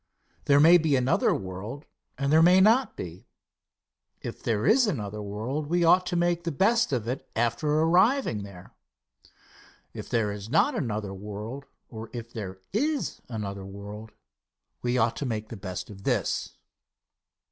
There may be another world and there may not be. If there is another world we ought to make the best of it after arriving there. If there is not another world, or if there is another world, we ought to make the best of this.